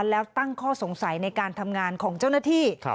แล้วตั้งข้อสงสัยในการทำงานของเจ้าหน้าที่